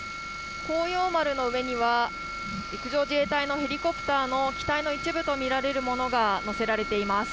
「航洋丸」の上には陸上自衛隊のヘリコプターの機体の一部とみられるものが載せられています。